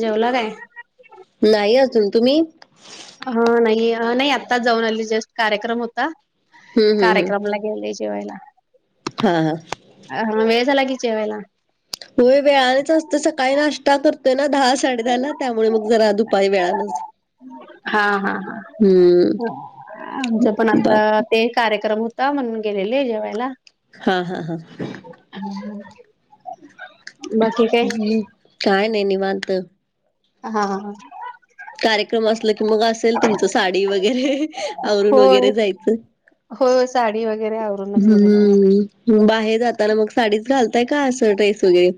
जेवला काय? नाही अजून तुम्ही? ह नाही नाही आत्ताच जाऊन आली जस्ट कार्यक्रम होता हं, हं, कार्यक्रमला गेले जेवायला हा हा अ हा वेळजला कीचेवायला होय वेळानेच असत. सकाळी नाश्ता करत तय ना दहा साडे दहा ला त्यामुळे मग जरा दुपारी वेळानच हा हा हं, ह आमच पण बा आता ते कार्यक्रम त म्हणून गेलेले आहे. जेवायला हा हा हा. [unintelligible] बाकी काय हम् काय नाय निवांत. हा हा हा. कार्यक्रम असल की मग असेल तुमचं साडी वगैरे आवरून होय वगैरे जायचं. होय साडी वगैरे आवरूनच गेलेलो म म बाहेर जाताना मग साडीच घालताय का असं ड्रेस वगैरे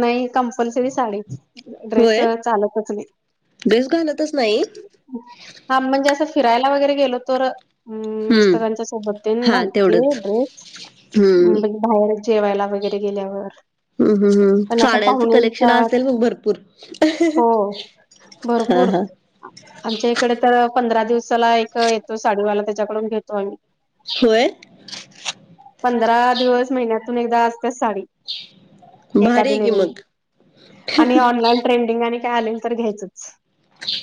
नाही कंपल्सरी साडी ड्रेस होय? चालतच नाही. ड्रेस घालतच नाही. हा म्हणजे असं फिरायला वगैरे गेलो तर हम्म हं. मिस्टरांच्या सोबत तेन हां, घालते तेवढंच. ड्रेस हं. बाहेरचं जेवायला वगैरे गेल्यावर हूं हूं हूं पण असं साड्यांचं कलेक्शन पाहुण्यांच्यात असेल मग भरपूर- हो हा भरपूर हा आमच्या इकड तर पंधरा दिवसाला एक येतो साडीवाला त्याच्याकडून घेतो आम्ही होय. पंधरा दिवस महिन्यातून एकदा असत्याचं साडी भारी एखादी आहे की नवीन मग आणि ऑनलाईन ट्रेन मग आणि काय आलेन तर घ्यायचंच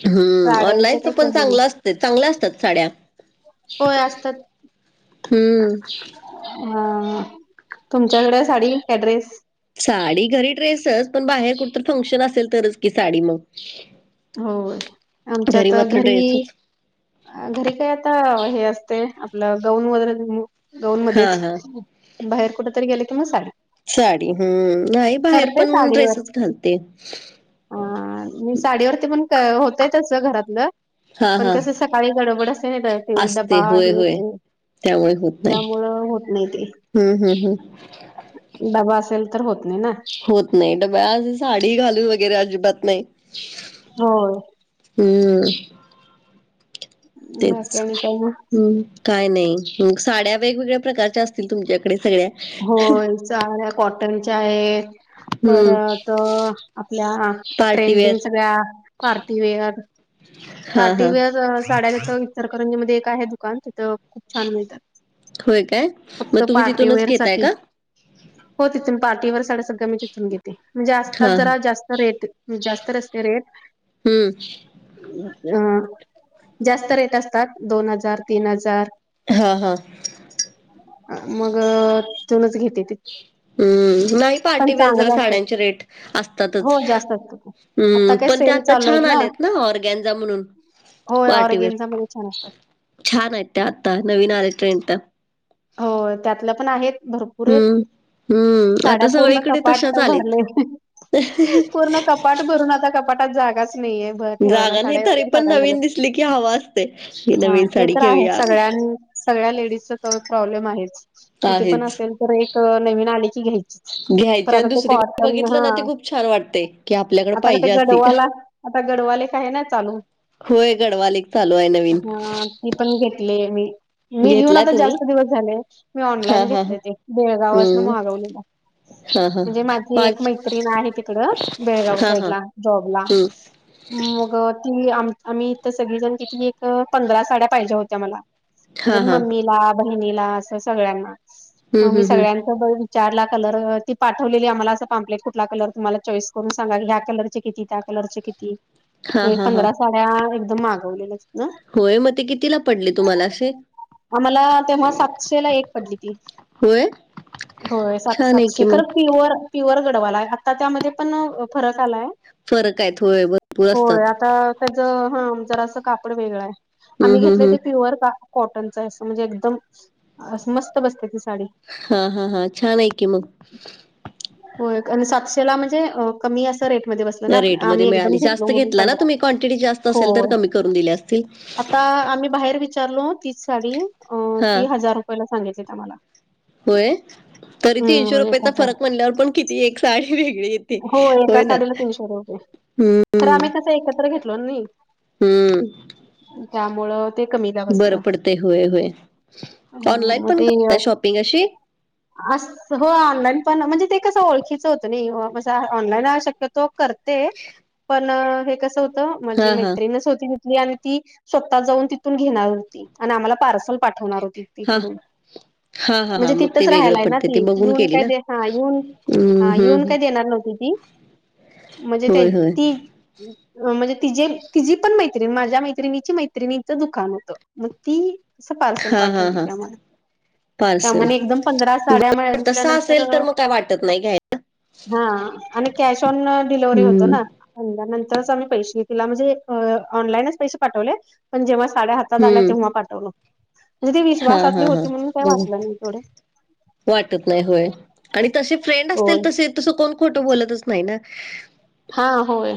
हम्म साड्यांचं ऑनलाईन चं काही पण कमी चांगलं नाही असतय चांगल्या असतात साड्या होय असतात. हम्म. हा तुमच्याकडे साडी का ड्रेस साडी घरी ड्रेसच पण बाहेर कुठ फंक्शन असेल तरच की साडी मंग होय आमच्या त घरी ड्रेसच अ घरी काय आता हे असतय आपलं गाऊन वगैरे गाऊन हा मध्येच हा बाहेर कुठ तरी गेले की म साडी साडी हम्म नाही बाहेर पण ड्रेसेस घालते. आ म साडीवरती पण होतय तस घरातलं हा पण हा कस सकाळी गडबड असते ना तर ते असते डबा होय हे होय ते त्यामुळे होत नाही त्यामुळं होत नाही ते हम्म हम्म हम्म. डबा असेल तर होत नाही ना होत नाही तर डबा अस साडी घालून वगैरे अजिबात नाही. हो. हम्म. बाकी तेच आणि काय मग हम्म. काय नाय मग साड्या वेगवेगळ्या प्रकारच्या असतील तुमच्याकडे सगळ्या होय चागल्या कॉटनच्या आहेत. हम्म, परत आपल्या पार्टीवेअर. ट्रेंडिंग सगळ्या पार्टीवेअर हां, हां. पार्टीवेअर साड्या तीथ इचलंकरंजी मध्ये एक आहे दुकान तिथं खूप छान मिळतात. होय काय? मग फक्त तुम्ही तिथूनच पार्टीवेअर घेताय साठी का? हो तिथून पार्टीवर साड्या सगळं मी तिथून घेते म्हणजे आताात हां, हां. जरा जास्त रेट जास्त असत रेट हम्म. अ जास्त रेट असतात दोन हजार तीन हजार हा हा. मग तितुनच घेते की हम्म नाही पार्टीवेअर जरा असतात साड्यांचे रेट असतातच. हो जास्त असतात आता हम्म काय पण ते सेल आता चालू छान आहेत आल्यात ना ऑरगॅनझा म्हणून होय पार्टीवेअर ऑर्गेनचा मध्ये छान असतात छान आहेत त्या आता नवीन आले ट्रेंड तर. हो त्यातलं पण आहेत भरपूर. आहेत हम्म. हम्म साड्या आता पूर्ण सगळ्याईकडे कपाट तशाच आलेत भरले पूर्ण कपाट भरून आता कपाटात जागा नाहीे ठेवायला जागा नाही साड्या तरी एवढ्या पण झाल्या नवीन दिसली की हवा असते. ही हा नवीन ते साडी तर आहे घेऊया. सगळ्यांण सगळ्या लेडीजचा त प्रॉब्लेम आहे किती पण आहेच. असेल तर एक नवीन आणी घ्यायची. घ्यायची आणि तरक ते दुसरीकडे कॉटन बघितलं हा ना ते खूप छान वाटते, की आपल्याकडे आता क ते पाहिजे अशी. गडवाला. आता गडवालेएका आहे ण चालू. होय गडवाल एक चालू आहे नवीन हा ती पण घेतली मी, मी घेऊन घेतलाय आता तुम्ही जास्त दिवस झाले मी हा ऑनलाईन हा हा घेतले ते बेळगावस ना हम्म मागवलेला. हा हा म्हणजे माझी एक पाच मैत्रीण आहे तिकड बेळगाव हा साईड हा ला जॉब ला. हम्म मग ती आम आम्ही इथ सगळीजण तिथे एक पंधरा साड्या पाहिजे होत्या मला. हा म्हणजे हा मम्मीला बहिणीला असं सगळ्यांना हम्म म मी हम्म हम्म सगळ्यां विचारला कलर ती पाठवलेली आम्हाला असं पम्पलेट कुठला कलर तुम्हाला चॉईस करून सांगा ह्या कलरची किती त्या कलरचे किती हा हा हा पंधरा साड्या एकदम मागवलेल्या. होय मग ते कितीला पडले तुम्हाला असे? आम्हाला तेव्हा सातशे ला एक पडली ती. होय होय सात छान आहे की सातशे खरं मग प्युअर प्युअर गडवाला आहे आता त्यामध्ये पण फरक आलाय. फरक आहेत होय भरपूर होय असतात आता त्याच हा जरासं कापड वेगळं आहे. आम्ही हम्म हम्म घेतले हम्म ते प्युअर कॉटनच अस म्हणजे एकदम मस्त बसते ती साडी. हा हा हा छान आहे की मग. होय आणि सातशेला म्हणजे कमी असं रेट मध्ये बसल ना आप रेट मध्ये आम्ही एकदम मिळाली घेतलो जास्त म्हणून घेतला ना पंधरा तुम्ही क्वांटिटी जास्त हो. असेल तर कमी करून दिले असतील आता आम्ही बाहेर विचारलो तीच साडी अ हा ती हजार रुपयला सांगीतलीत आम्हाला. होय. तरी तीनशे हम्म एक रुपयाेचा हजार फरक म्हणल्यावर पण किती एक साडी वेगळी येते हो एका होय ना. साडीला तीनशे रुपये खरं आम्ही तसं एकत्र घेतलो नाही. हम्म. त्यामुळं ते कमीला बरं बसलं पडते होय होय अ ऑनलाइन मग पण ते करत शॉपिंग अशी. अस हो ऑनलाईन पण म्हणजे ते कसं ओळखीचं होतं नाही ऑनलाईन शक्यतो करते पण हे कस होतं हा माझी हा मैत्रीणच होती. आणि ती स्वतः जाऊन तिथून घेणार होती आणि आम्हाला पार्सल पाठवणार होती. हा तिकडून हा हा हा म्हणजे मग तिथंच ते वेगळं राहायलाय ना पडते ती ते बघून येऊन केली काय ना दे हा येऊन हम्म हा येऊन हम्म काय देणार नव्हती ती म्हणजे ते होय होय ती म्हणजे तिजे तिझी पण मैत्रिणी माझ्या मैत्रिणीची मैत्रिणीचं दुकान होतं. मग ती अस पार्सल हा हा पाठवली हा त्या आम्हाला. पार्सल त्यामध्ये एकदम पंधरा साड्या पण तसं म्हटल्यानंतर असेल तर मग काय वाटत नाही घ्याय हा आणि कॅश ऑन डिलेवर्हरी होतो हम्म ना. अंदा नंतरच आम्ही पैसे तिला म्हणजे ऑनलाईनच पैसे पाठवले. पण जेव्हा साडे हातात आल्या हम्म तेव्हा पाठवलो म्हणजे ती हा विश्वासातली हा हा होती म्हणून काय बघू वाटलं नाही तेवड. वाटत नाही होय आणि तसे फ्रेंड असतील होय तसे तसं कोण खोटं बोलतच नाही ना. हा होय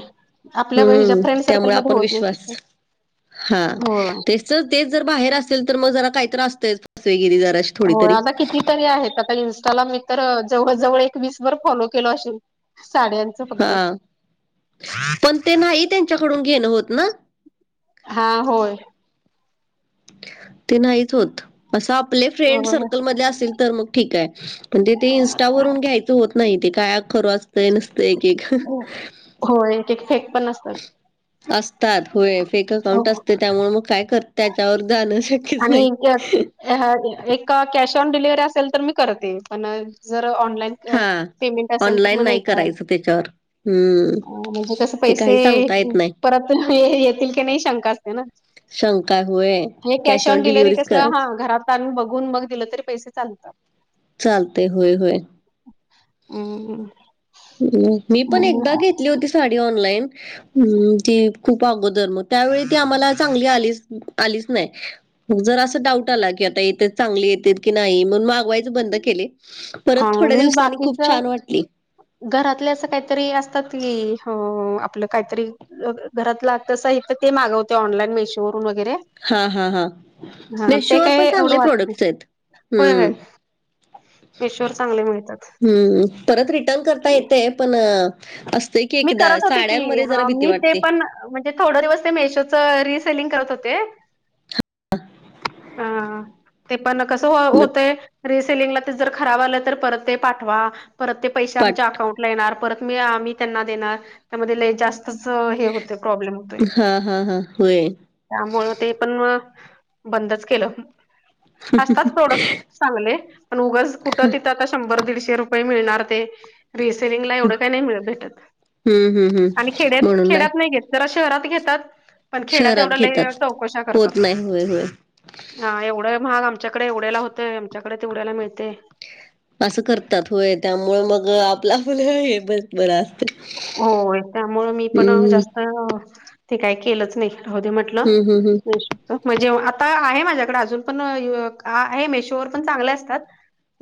आपल्या हिज्या हम्म फ्रेंड त्यामुळे सर्कलमध्ये आपण होत नाही विश्वास तसं. हा होय तेच तर तेच जर बाहेर असेल तर मग जरा काही तरी असतेच फसवेगिरी जरा. हो आता किती तरी इंस्टाला मी तर जवळ जवळ एक वीस वर फॉलो केलो असेल साड्यांनच. हा पण ते नाही त्यांच्याकडून घेणं होत ना हा होय ते नाहीच होत असं आपले फ्रेंड सर्कल म असेल तर मग ठीक आहे म्हणज ते इंस्टावरून घ्यायचं होत नाही ते काय खरं असतंय नसतं एक एक हो एक एक फेक पण असतात. असतात होय फेक अकाउंट हो असते त्यामुळे मग काय कर त्याच्यावर जाणं शक्यच आणि नाही [unintelligible] ह एक कॅश ऑन डिलिव्हरी असेल तर मी करते पण जर ऑनलाईन हा पमेंट अस मग ऑनलाईन नाही करा करायचं त्याच्यावर हम्म म्हण क ते पैसे काही सांगता येत नाही परत येतील की नाही शंका असते ना शंका हुय हे कॅश ऑन डिलेवर्हरी कसं हा घरात आण बघून मग दिलं तरी पैसे चालतात चालते होय होय हम् मी पण एकदा घेतली होती साडी ऑनलाईन हम्म ती खूप अगोदर मग त्यावेळी ती आम्हाला चांगली आलीच आलीच नाही जर असं डाऊट आला की आता येते चांगली येत की नाही मण मागवायच बंद केले हा परत थोड्या मी दिवसांनी बाकीच खूप छान वाटली घरातले अस काहीतरी अस आपलं काहीतरी घरातल समान ते मागवते ऑनलाइन चोरून वगैरे हा हा हा हा ते मेशोवर काय पण एवढं चांगले वाटय प्रोडक्ट्स आहेत. होय हम्म मेश्वर चांगले मिळतात हम् परत रिटर्न करता येतय पण असतेय की मी एकदा करत होते की साड्यांमध्ये जरा हा भीती मी ते वाटते पण म्हणजे थोडा दिवस ते मेशोचं रिसेलिंग करत होते ह अ ते पण कस होतय रिसेलिंगला जर खराब आलं तर परत ते पाठवा परत ते पैसे आमच्या पाट अकाउंटला येणार परत मी आम्ही त्यांना देणार त्या जास्त होत प्रॉब्लेम होतो हा हा हा होय. त्यामुळं ते पण बंदच केलं असताच प्रोडक्ट चांगले पण उगंच कुठं तिथं आता शंभर दीडशे रुपये मिळणार ते रिसेलिंगला एवढं का नाही मि भेटत हम्म हम् आणि हम् खेड्यात म्हणून नाहीय खेड्यात नाही घेत जरा शहरात घेतात पण खेड्यात शहरात एवढ्या घेतात चौकशा करतात होत नाही होय होय हा एवढं महाग आमच्याकडे एवढ्याला होतंय आमच्याकडे तेवढ्याला मिळते असं करतात होय त्यामुळे मग आपला फ हे बरा असत होय त्यामुळे मी पण हम्म जास्त ते काय केलंच नाही राहदी म्हटलं हम्म हम्म हम्म नाही म्हणजे आता आहे माझ्याकडे अजून पण आहे मेशोवर पण चांगले असतात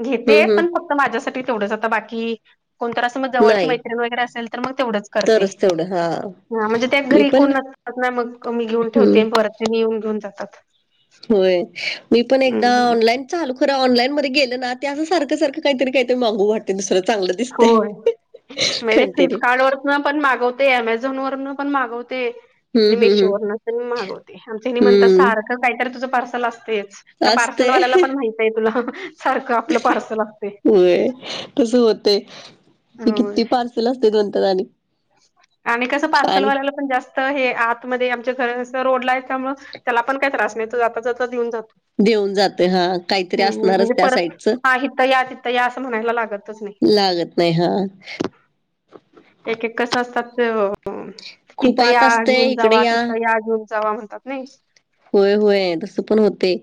घेते हम्म पण हम्म फक्त माझ्यासाठी तेवढंच आ बाकी कोणत असं मग जवळची नाही मैत्रीिणी वगैरे अस तर मग तेवढच करते तरच तेवढं हा हा म्हणजे त्या मी घरी कोण पण नसतात ना मग मी घेऊन हम्म ठेवते परत त्यां येऊन घेऊन जातात होय मी पण एकदा हम्म ऑनलाईन चालू खर ऑनलाईनध्ये गेलं ना ते असं सारख सारखं काहीतरी काहीतरी मागू वाटते दुसरं चांग होय म्हणजे फ्लिपकार्ट वर न पण मागवते ॲमेझॉन वरन पण मागवते आणि हम्म हम्म मेशोवर हम्म न तर मी मागवते आमच म्हणतात हम्म सारखं काहीतरी तुझं पार्सल असतेच त्या पार्सल असतय वाल्याला पण माहित आहे. तुला सारखं आपलं पार्सल असते. होय तस होतय. होय किती पार्सल असतात म्हणतात आणि आणि कसं आणि पार्सलवाल्याला पण जास्त हे आतमध्ये आमच्या घर रोडला आहे त्यामुळे, त्याला पण काय त्रास नाही. तो जाता जाता देऊन जातो. देऊन जाते हा काहीतरी हम्म असणारच म्हणजे त्या परत साईडचं हा इथ या तिथं या असं म्हणायला लागतच नाही लागत नाही हा एक एक कस असतात ते खूप तिथं आत या असते घेऊन इकडे जावा तिथं या घेऊन जावा म्हणतात ना होय होय. तस पण होतय.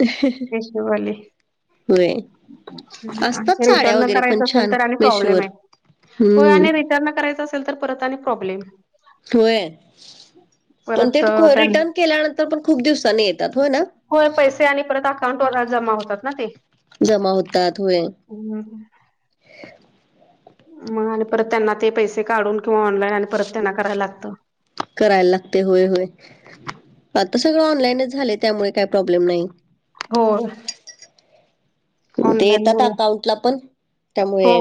ह [unintelligible] पैसे वाले असतात साड्या रिटर्न वगैरे पण करायचं असेल छान तर आणि प्रॉब्लेम मेशोवर आहे. होय हम्म आणि रिटर्न करायचं असेल तर परत आणि प्रॉब्लेम होय. पण परत ते त्यां रिटर्न केल्यानंतर पण खूप दिवसांनी येतात होय ना. होय. पैसे आणि परत अकाउंट वर जमा होतात ना ते, जमा होतात होय. हो, मग आणि परत त्यांना ते पैसे काढून किंवा ऑनलाईन आणि परत त्यांना करायला लागतं. करायला लागते. होय, होय, आता सगळं ऑनलाईनच झाले त्यामुळे काय प्रॉब्लेम नाही. हो, ते ऑनलाईन येतात हो. अकाउंटला पण हो, त्यामुळे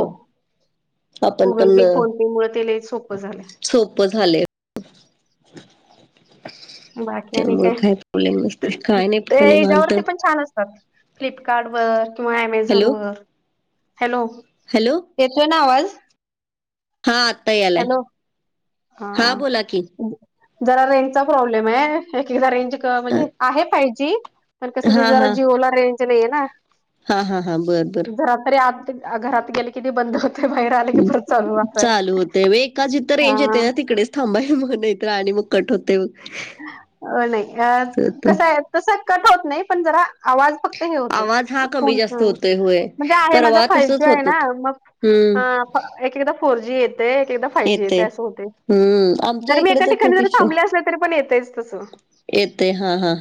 आपण गुगल पे, फोन पे मुळे ते लय सोपं झालंय. सोप झाले. बाकी आणि त्यामुळे काय? काही प्रॉब्लेम नसते काय नाही त्या पण निवांत याच्यावरती पण छान असतात. फ्लिपकार्ड वर किंवा ऍमेझॉन हॅलो वर हॅलो, हॅलो, येतोय ना आवाज हा आत्ता यायलय. हॅलो हा, जरा रेंजचा प्रॉब्लेम आहे. एकएकदा रेंज त हा म्हणजे आहे. फाइव जी पण कस ते जरा हा जिओला रेंज नाही ना. हा हा हा बर बर घरात तरी आत घरात गेले कि ते बंद ह. बाहेर आले. की परत चालू असं हाय. का जिथं रेंज येते ना, तिकडेच थांबा म्हणत आणि मग कट होतय वैगरे, अ नाही अ होतं. कस आहे तस कट होत नाही. पण जरा आवाज फक्त ते हे होते. आवाज हा कमी जास्त होतोय होय म्हणजे आहे माझा परवा फाय जी तसच आहे होत ना होत. मग हम्म ते हे होतय. एक एकदा फोर जी येते. एक एकदा फाय जी येते. असं होतंय. हम्म आमच्या जर मी इकडे एका तर ठिकानी खूप जर मी इशू थांबले असेल ना. येतयच तस, आहे येते हा हा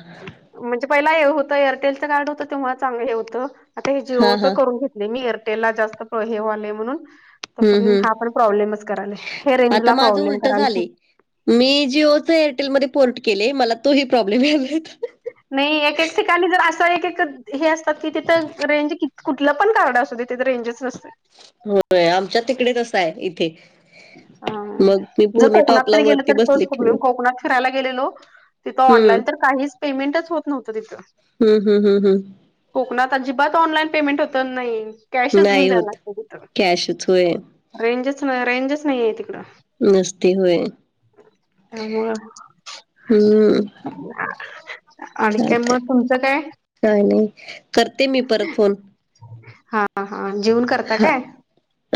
म्हणजे पहिला हे होतं. एअरटेलचं कार्ड होतं तेव्हा चांगलं हे होतं आता हे हा जिओच हा करून घेतले. नाही नाही. एअरटेल ला जास्त प्र हे व्हायलय. म्हणून, तर हम्म पण हम्म हा पण प्रॉब्लेमच करायलय हे रेंज आता ला माझं प्रॉब्लेम उलट करायलय. झालंय. मी जिओच एअरटेलमध्ये पोर्ट केले मला तोही प्रॉब्लेम यायला. नाही. एक एक ठिकाणी जर असं एक एक हे असतात की तिथं रेंज की, कुठलं पण कार्ड असुदे. तिथं रेंजच नसत्या. होय. आमच्या तिकडे तसं आहे. इथे हम, मग मी जर पूर्ण कोकणात टॉपला तरी गेल. वरती तर तोच बसले की प्रोब्लेम मग कोकणात फिरायला गेलेलो. तिथं हम्म ऑनलाईन तर काहीच पेमेंटच होत नव्हतं तिथं, हम् हम् हम हम कोकणात अजिबात ऑनलाईन पेमेंट होत नाही. कॅश च घेऊन नाही जायला होत लागत तिथं, कॅशच होय रेंजच रेंजच नाहीये तिकडं नसते होय त्यामुळेळ हम्म [unintelligible] चालतंय काय नाही करते मी परत फोन हा हा जेवन करता हा काय?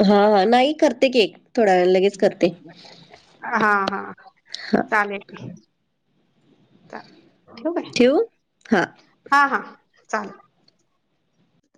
हा हा नाही करते, की थोड्या वेळान लगेच करते. हा हा हा चालेल. ठेऊ काय. ठेवू. हा हा हा चालेल